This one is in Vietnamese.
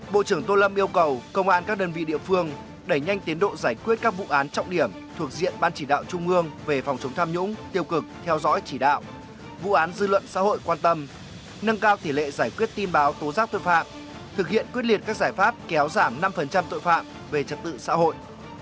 bộ trưởng tô lâm yêu cầu công an các đơn vị địa phương đẩy nhanh tiến độ giải quyết các vụ án trọng điểm thuộc diện ban chỉ đạo trung ương về phòng chống tham nhũng tiêu cực theo dõi chỉ đạo vụ án dư luận xã hội quan tâm nâng cao tỷ lệ giải quyết tin báo tố giác tội phạm thực hiện quyết liệt các giải pháp kéo giảm năm tội phạm về trật tự xã hội